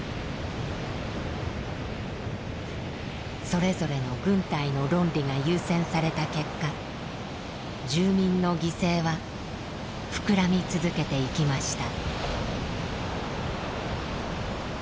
それぞれの軍隊の論理が優先された結果住民の犠牲は膨らみ続けていきました。